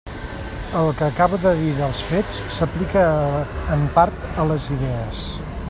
El que acabo de dir dels fets s'aplica en part a les idees.